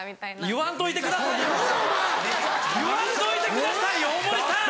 言わんといてください大盛さん！